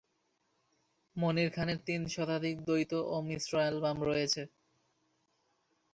মনির খানের তিন শতাধিক দ্বৈত ও মিশ্র অ্যালবাম রয়েছে।